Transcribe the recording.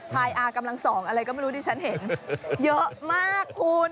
อากำลังส่องอะไรก็ไม่รู้ที่ฉันเห็นเยอะมากคุณ